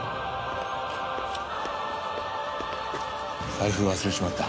財布忘れちまった。